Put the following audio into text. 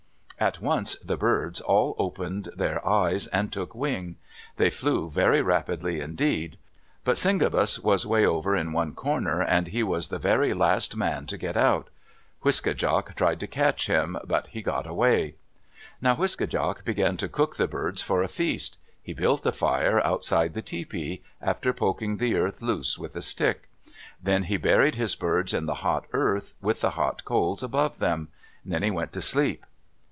At once the birds all opened their eyes and took wing. They flew very rapidly indeed. But Cyngabis was way over in one corner and he was the very last man to get out. Wiske djak tried to catch him, but he got away. Now Wiske djak began to cook the birds for a feast. He built the fire outside the tepee, after poking the earth loose with a stick. Then he buried his birds in the hot earth, with the hot coals above them. Then he went to sleep.